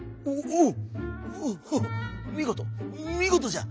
「おおみごとみごとじゃ！